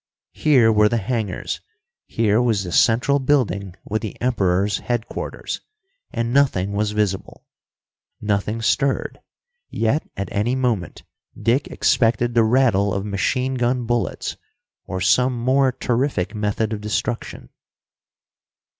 Here were the hangers, here was the central building with the Emperor's headquarters. And nothing was visible, nothing stirred, yet at any moment Dick expected the rattle of machine gun bullets or some more terrific method of destruction.